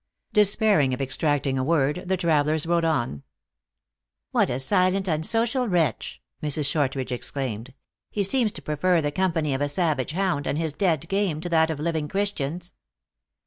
Despairing of extracting a word, the travelers rode on. " What a silent, unsocial wretch !" Mrs. Shortridge exclaimed. " He seems to prefer the company of a savage hound, and his dead game, to that of living Christians."